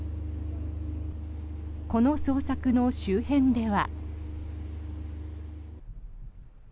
この捜索の周辺では。